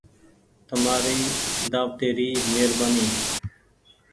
تمآري دآوتي ري مهربآني ۔